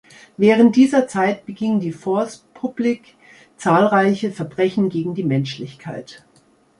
Während dieser Zeit beging die Force Publique zahlreiche Verbrechen gegen die Menschlichkeit.